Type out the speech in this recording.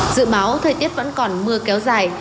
dự báo thời tiết vẫn còn mưa kéo dài